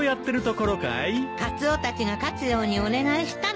カツオたちが勝つようにお願いしたのね？